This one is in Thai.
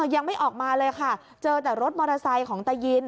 ยังไม่ออกมาเลยค่ะเจอแต่รถมอเตอร์ไซค์ของตายิน